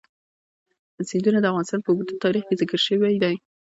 سیندونه د افغانستان په اوږده تاریخ کې ذکر شوی دی.